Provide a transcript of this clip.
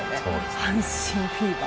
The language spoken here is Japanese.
阪神フィーバー。